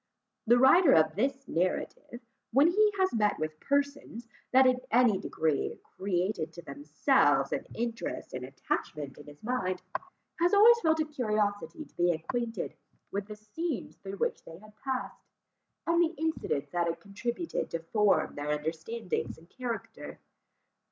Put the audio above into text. The writer of this narrative, when he has met with persons, that in any degree created to themselves an interest and attachment in his mind, has always felt a curiosity to be acquainted with the scenes through which they had passed, and the incidents that had contributed to form their understandings and character.